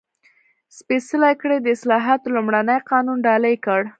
سپېڅلې کړۍ د اصلاحاتو لومړنی قانون ډالۍ کړ.